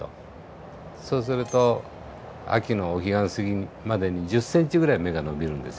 そうすると秋のお彼岸過ぎまでに１０ｃｍぐらい芽が伸びるんですね。